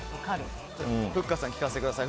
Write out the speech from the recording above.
ふっかさん、聞かせてください。